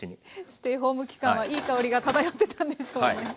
ステイホーム期間はいい香りが漂ってたんでしょうね。